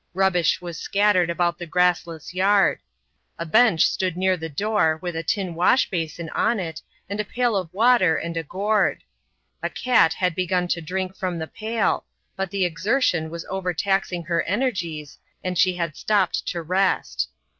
Rubbish was scattered about the grassless yard; a bench stood near the door with a tin wash basin on it and a pail of water and a gourd; a cat had begun to drink from the pail, but the exertion was overtaxing her energies, and she had stopped to rest.